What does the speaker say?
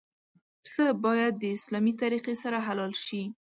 پسه باید د اسلامي طریقې سره حلال شي.